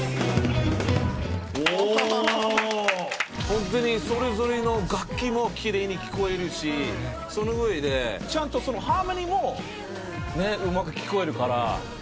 ホントにそれぞれの楽器も奇麗に聞こえるしその上でちゃんとハーモニーもうまく聞こえるから。